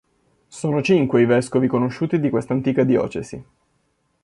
Sono cinque i vescovi conosciuti di questa antica diocesi.